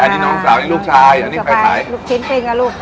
อันนี้น้องสาวนี่ลูกชายอันนี้ใครขายลูกชิ้นปิ้งอ่ะลูก